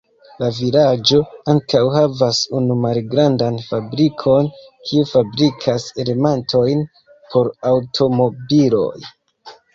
La vilaĝo ankaŭ havas unu malgrandan fabrikon, kiu fabrikas elementojn por aŭtomobiloj.